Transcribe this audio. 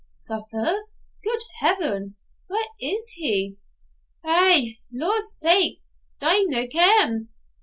'Suffer! Good heaven! Why, where is he?' 'Eh, Lord's sake! d'ye no ken?